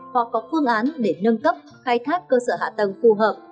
hoặc có phương án để nâng cấp khai thác cơ sở hạ tầng phù hợp